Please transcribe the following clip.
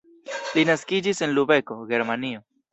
Li naskiĝis en Lubeko, Germanio.